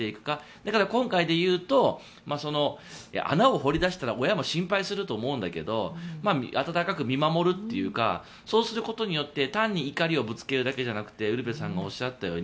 だから、今回でいうと穴を掘り出したら親も心配すると思うんだけど温かく見守るというかそうすることによって単に怒りをぶつけるだけじゃなくてウルヴェさんがおっしゃるように